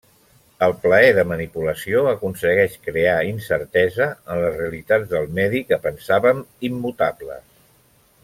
El plaer de manipulació aconsegueix crear incertesa en les realitats del medi que pensàvem immutables.